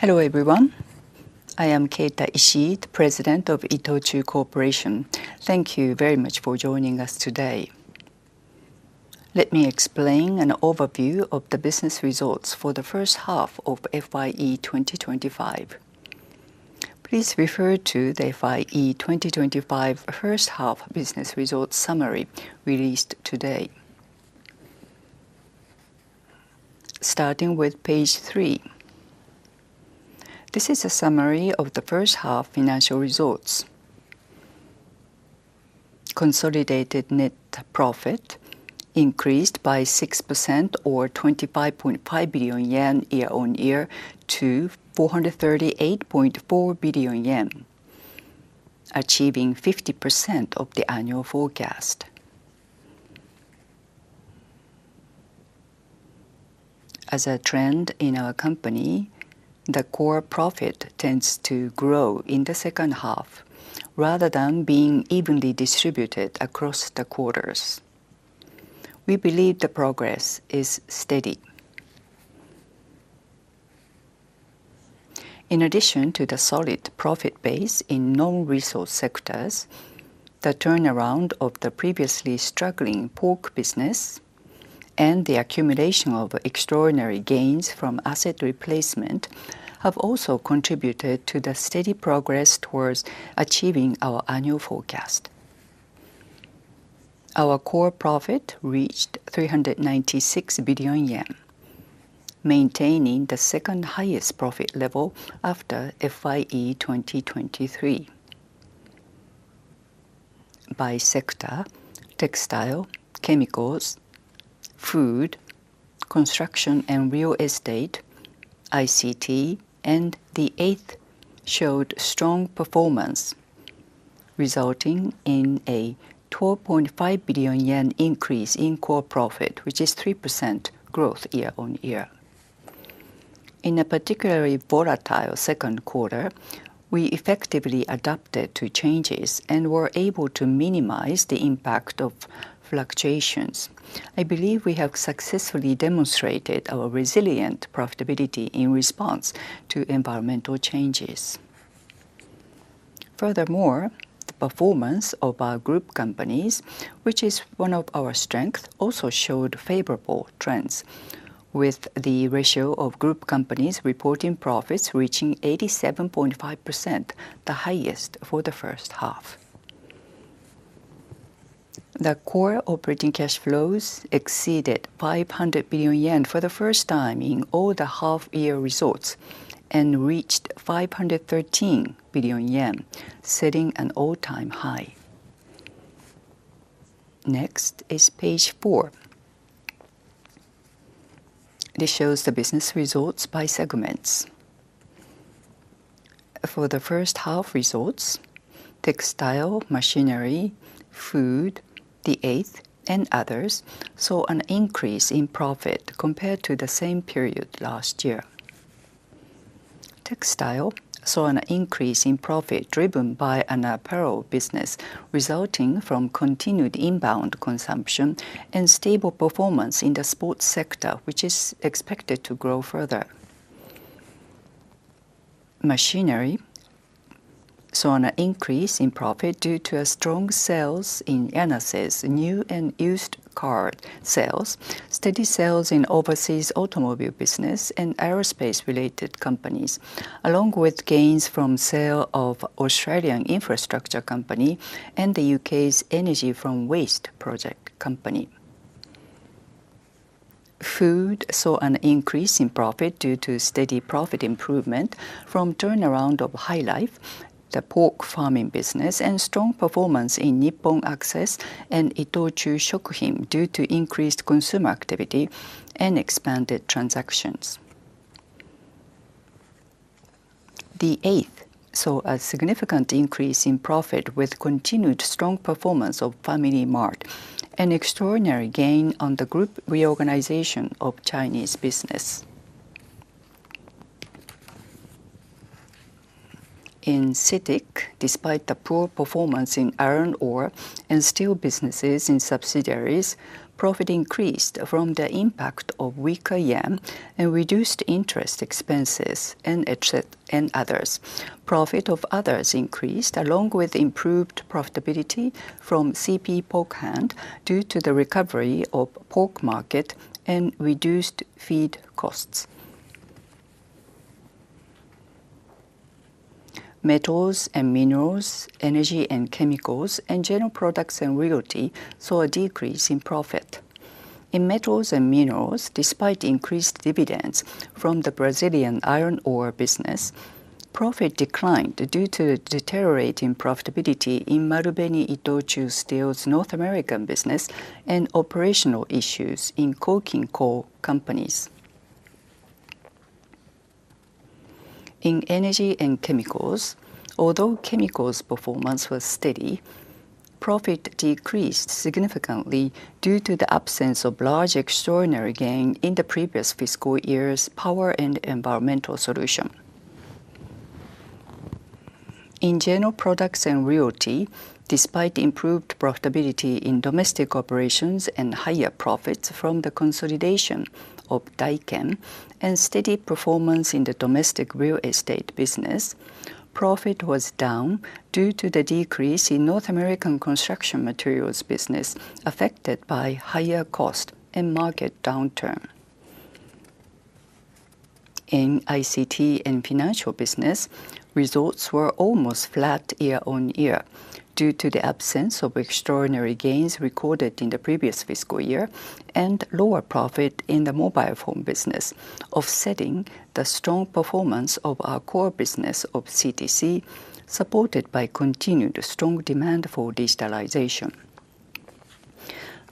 Hello everyone. I am Keita Ishii, the President of ITOCHU Corporation. Thank you very much for joining us today. Let me explain an overview of the business results for the first half of FYE 2025. Please refer to the FYE 2025 first half business results summary released today, starting with page 3. This is a summary of the first half financial results: Consolidated net profit increased by 6%, or 25.5 billion yen year-on-year to 438.4 billion yen, achieving 50% of the annual forecast. As a trend in our company, the core profit tends to grow in the second half rather than being evenly distributed across the quarters. We believe the progress is steady. In addition to the solid profit base in non-resource sectors, the turnaround of the previously struggling pork business and the accumulation of extraordinary gains from asset replacement have also contributed to the steady progress towards achieving our annual forecast. Our core profit reached ¥396 billion, maintaining the second-highest profit level after FYE 2023. By sector: Textile, Chemicals, Food, Construction and Real Estate, ICT, and The 8th showed strong performance, resulting in a ¥12.5 billion increase in core profit, which is 3% growth year-on-year. In a particularly volatile second quarter, we effectively adapted to changes and were able to minimize the impact of fluctuations. I believe we have successfully demonstrated our resilient profitability in response to environmental changes. Furthermore, the performance of our group companies, which is one of our strengths, also showed favorable trends, with the ratio of group companies reporting profits reaching 87.5%, the highest for the first half. The core operating cash flows exceeded ¥500 billion for the first time in all the half-year results and reached ¥513 billion, setting an all-time high. Next is page 4. This shows the business results by segments. For the first half results, Textile, Machinery, Food, The 8th, and Others saw an increase in profit compared to the same period last year. Textile saw an increase in profit driven by an apparel business, resulting from continued inbound consumption and stable performance in the sports sector, which is expected to grow further. Machinery saw an increase in profit due to strong sales in NA's new and used car sales, steady sales in overseas automobile business and aerospace-related companies, along with gains from sale of Australian infrastructure company and the UK's Energy from Waste project company. Food saw an increase in profit due to steady profit improvement from turnaround of HyLife, the pork farming business, and strong performance in Nippon Access and ITOCHU Shokuhin due to increased consumer activity and expanded transactions. The 8th saw a significant increase in profit with continued strong performance of FamilyMart, an extraordinary gain on the group reorganization of Chinese business. In CITIC, despite the poor performance in iron ore and steel businesses in subsidiaries, profit increased from the impact of weaker yen and reduced interest expenses and others. Profit of Others increased along with improved profitability from CP Pokphand due to the recovery of pork market and reduced feed costs. Metals & Minerals, Energy and Chemicals, and General Products and Realty saw a decrease in profit. In Metals & Minerals, despite increased dividends from the Brazilian iron ore business, profit declined due to deteriorating profitability in Marubeni-Itochu Steel's North American business and operational issues in coking coal companies. In Energy and Chemicals, although chemicals' performance was steady, profit decreased significantly due to the absence of large extraordinary gain in the previous fiscal year's Power & Environmental Solution. In General Products and Realty, despite improved profitability in domestic operations and higher profits from the consolidation of Daiken and steady performance in the domestic real estate business, profit was down due to the decrease in North American construction materials business affected by higher cost and market downturn. In ICT & Financial Business, results were almost flat year-on-year due to the absence of extraordinary gains recorded in the previous fiscal year and lower profit in the mobile phone business, offsetting the strong performance of our core business of CTC, supported by continued strong demand for digitalization.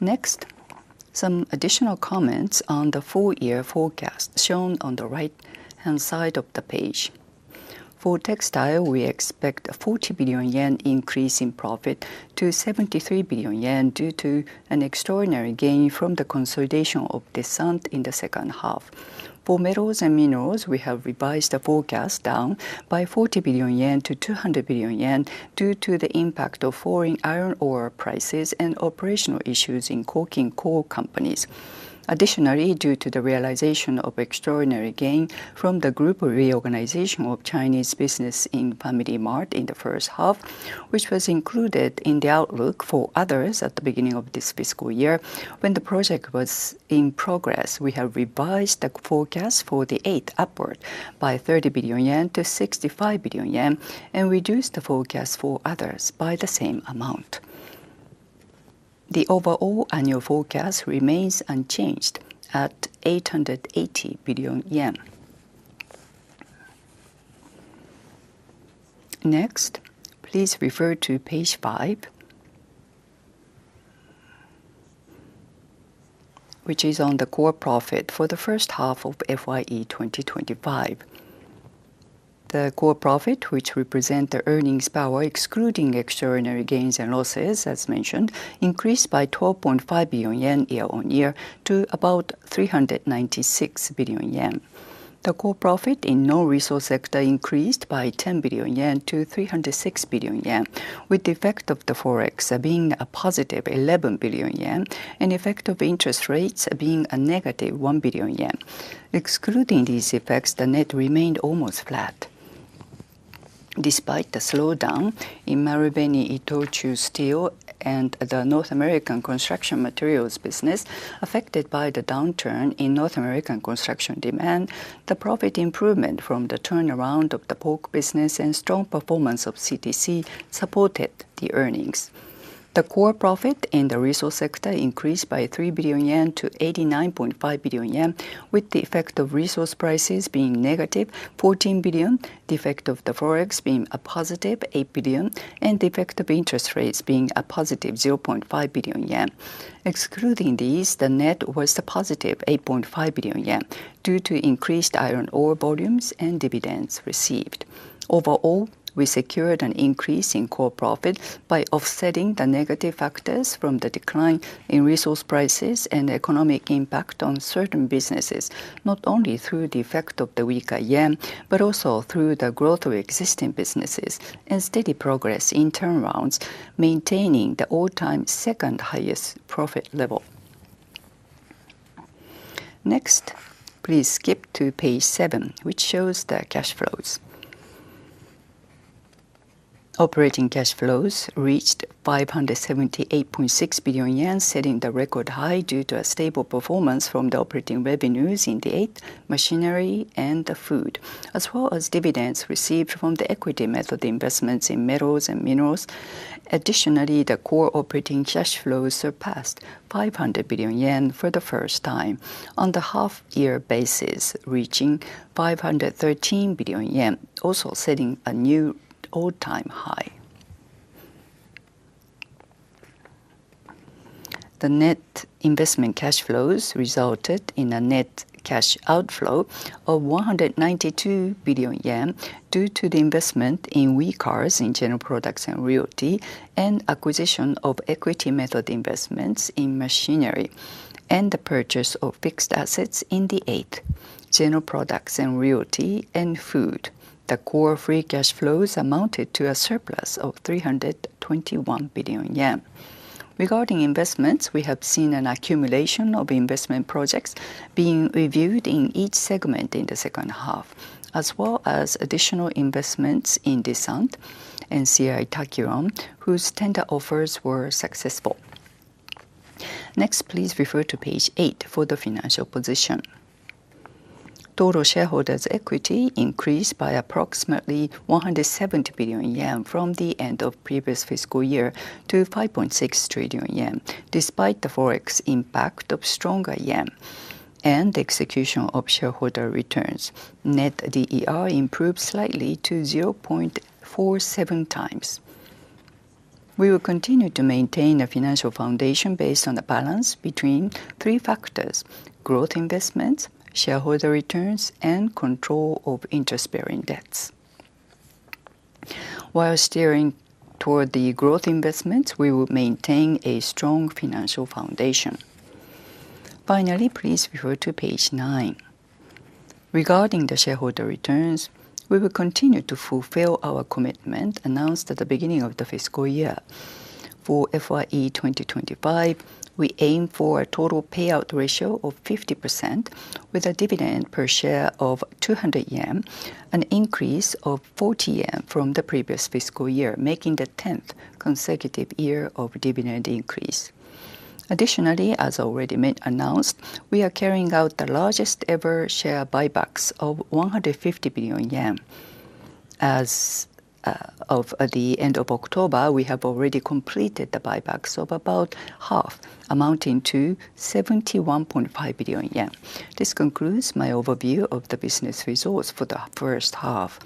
Next, some additional comments on the four-year forecast shown on the right-hand side of the page. For Textile, we expect a 40 billion yen increase in profit to 73 billion yen due to an extraordinary gain from the consolidation of Descente in the second half. For Metals & Minerals, we have revised the forecast down by 40 billion-200 billion yen due to the impact of falling iron ore prices and operational issues in coking coal companies. Additionally, due to the realization of extraordinary gain from the group reorganization of Chinese business in FamilyMart in the first half, which was included in the outlook for Others at the beginning of this fiscal year when the project was in progress, we have revised the forecast for The 8th upward by 30 billion-65 billion yen and reduced the forecast for Others by the same amount. The overall annual forecast remains unchanged at JPY 880 billion. Next, please refer to page 5, which is on the core profit for the first half of FYE 2025. The core profit, which represents the earnings power excluding extraordinary gains and losses, as mentioned, increased by ¥12.5 billion year-on-year to about ¥396 billion. The core profit in non-resource sector increased by ¥10 billion to ¥306 billion, with the effect of the forex being a positive ¥11 billion and effect of interest rates being a negative ¥1 billion. Excluding these effects, the net remained almost flat. Despite the slowdown in Marubeni-Itochu Steel and the North American construction materials business affected by the downturn in North American construction demand, the profit improvement from the turnaround of the pork business and strong performance of CTC supported the earnings. The core profit in the resource sector increased by 3 billion-89.5 billion yen, with the effect of resource prices being negative 14 billion, the effect of the forex being a positive 8 billion, and the effect of interest rates being a positive 0.5 billion yen. Excluding these, the net was a positive 8.5 billion yen due to increased iron ore volumes and dividends received. Overall, we secured an increase in core profit by offsetting the negative factors from the decline in resource prices and economic impact on certain businesses, not only through the effect of the weaker yen but also through the growth of existing businesses and steady progress in turnarounds, maintaining the all-time second-highest profit level. Next, please skip to page 7, which shows the cash flows. Operating cash flows reached 578.6 billion yen, setting the record high due to a stable performance from the operating revenues in The 8th, Machinery and Food, as well as dividends received from the equity method investments in Metals & Minerals. Additionally, the core operating cash flows surpassed 500 billion yen for the first time on the half-year basis, reaching 513 billion yen, also setting a new all-time high. The net investment cash flows resulted in a net cash outflow of 192 billion yen due to the investment in WECARS in General Products and Realty and acquisition of equity method investments in Machinery and the purchase of fixed assets in The 8th, General Products and Realty and Food. The core free cash flows amounted to a surplus of 321 billion yen. Regarding investments, we have seen an accumulation of investment projects being reviewed in each segment in the second half, as well as additional investments in Descente and C.I. Takiron, whose tender offers were successful. Next, please refer to page 8 for the financial position. Total shareholders' equity increased by approximately 170 billion yen from the end of the previous fiscal year to 5.6 trillion yen, despite the forex impact of stronger yen and the execution of shareholder returns. Net DER improved slightly to 0.47 times. We will continue to maintain a financial foundation based on the balance between three factors: growth investments, shareholder returns, and control of interest-bearing debts. While steering toward the growth investments, we will maintain a strong financial foundation. Finally, please refer to page 9. Regarding the shareholder returns, we will continue to fulfill our commitment announced at the beginning of the fiscal year. For FYE 2025, we aim for a total payout ratio of 50% with a dividend per share of 200 yen, an increase of 40 yen from the previous fiscal year, making the tenth consecutive year of dividend increase. Additionally, as already announced, we are carrying out the largest-ever share buybacks of 150 billion yen. As of the end of October, we have already completed the buybacks of about half, amounting to 71.5 billion yen. This concludes my overview of the business results for the first half.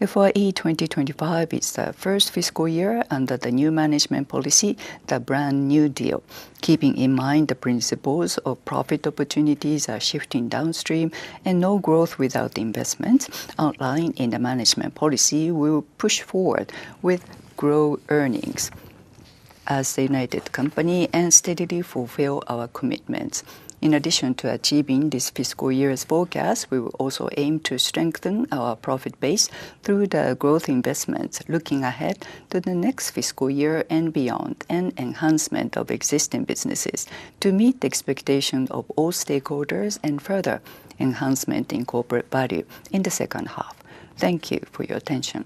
FYE 2025 is the first fiscal year under the new management policy, the Brand-new Deal. Keeping in mind the principles of profit opportunities are shifting downstream and no growth without investments, outlined in the management policy, we will push forward with grow earnings as the united company and steadily fulfill our commitments. In addition to achieving this fiscal year's forecast, we will also aim to strengthen our profit base through the growth investments, looking ahead to the next fiscal year and beyond, and enhancement of existing businesses to meet the expectations of all stakeholders and further enhancement in corporate value in the second half. Thank you for your attention.